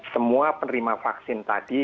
semua penerima vaksin tadi